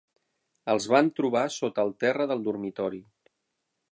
Els van trobar sota el terra del dormitori.